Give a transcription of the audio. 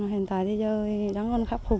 hiện tại thì đáng con khắc phục